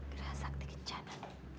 geraha sakti kencana